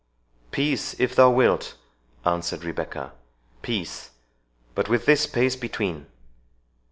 "Peace, if thou wilt," answered Rebecca—"Peace—but with this space between."